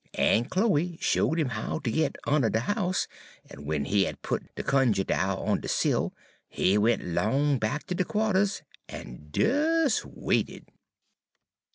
En Chloe showed 'im how ter git unner de house, en w'en he had put de cunjuh doll on de sill, he went 'long back ter de qua'ters en des waited.